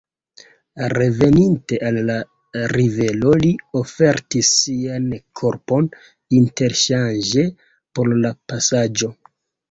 Reveninte al la rivero li ofertis sian korpon interŝanĝe por la pasaĵo.